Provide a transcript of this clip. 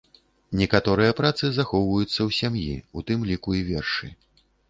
Некаторыя працы захоўваюцца ў сям'і, у тым ліку і вершы.